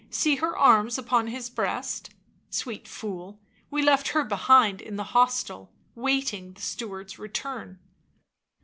See her arms upon his breast. Sweet fool, we left her behind in the hostel, waiting the steward's return.